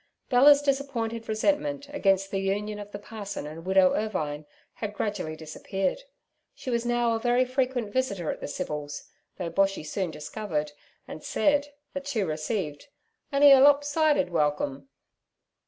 Bella's disappointed resentment against the union of the parson and widow Irvine had gradually disappeared. She was now a very frequent visitor at the Civils', though Boshy soon discovered, and said, that she received 'on'y a lopsided welcome.'